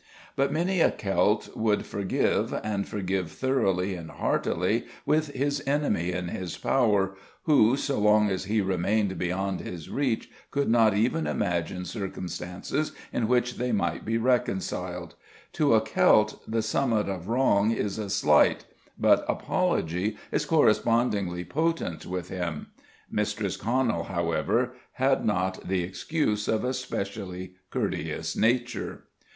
But many a Celt would forgive, and forgive thoroughly and heartily, with his enemy in his power, who, so long as he remained beyond his reach, could not even imagine circumstances in which they might be reconciled. To a Celt the summit of wrong is a slight, but apology is correspondingly potent with him. Mistress Conal, however, had not the excuse of a specially courteous nature.